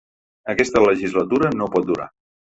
Aquesta legislatura no pot durar.